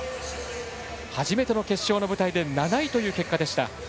初めての決勝の舞台で７位という結果でした。